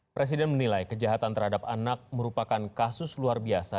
presiden menilai kejahatan terhadap anak merupakan kasus luar biasa